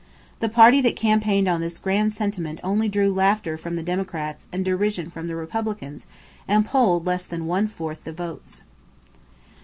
The party that campaigned on this grand sentiment only drew laughter from the Democrats and derision from the Republicans and polled less than one fourth the votes.